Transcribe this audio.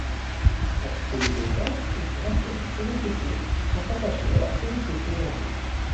La cité de Beaufort et son ancienne sénéchaussée sont rattachées à la sénéchaussée d'Angers.